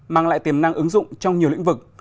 mang lại tiềm năng ứng dụng trong nhiều lĩnh vực